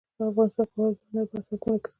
افغانستان کې واوره د هنر په اثار کې منعکس کېږي.